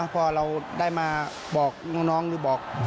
พอเราได้มาบอกน้องหรือบอก